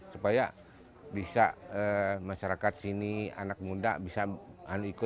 supaya bisa masyarakat sini anak muda bisa ikut juga kerja nah itu